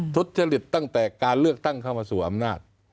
ทุจริตตั้งแต่การเลือกตั้งเข้ามาสู่อำนาจ